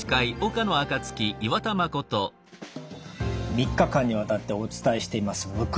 ３日間にわたってお伝えしていますむくみ。